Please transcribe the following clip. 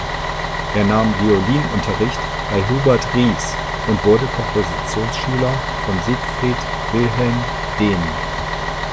Er nahm Violinunterricht bei Hubert Ries und wurde Kompositionsschüler von Siegfried Wilhelm Dehn.